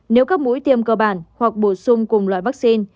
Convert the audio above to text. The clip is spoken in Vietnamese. nếu các mũi tiêm cơ bản hoặc bổ sung cùng loại vaccine